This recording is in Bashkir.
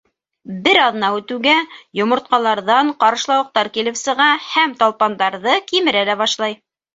Бер аҙна үтеүгә, йомортҡаларҙан ҡарышлауыҡтар килеп сыға һәм талпандарҙы кимерә лә башлай.